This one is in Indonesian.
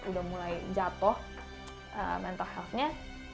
udah mulai jatuh mental healthnya